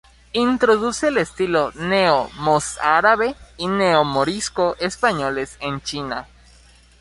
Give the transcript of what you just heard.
Introduce el estilo neo-mozárabe y neo-morisco españoles en China.